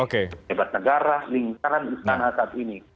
debat negara lingkaran istana saat ini